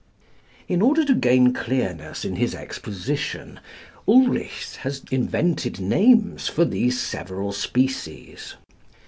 In order to gain clearness in his exposition, Ulrichs has invented names for these several species.